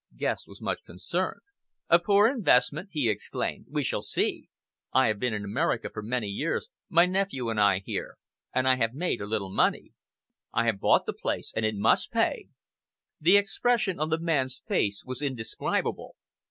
Guest was much concerned. "A poor investment!" he exclaimed. "We shall see. I have been in America for many years, my nephew and I here, and I have made a little money. I have bought the place and it must pay!" The expression on the man's face was indescribable.